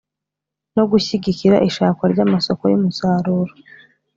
no gushyigikira ishakwa ry'amasoko y'umusaruro;